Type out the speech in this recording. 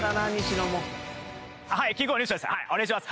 お願いします。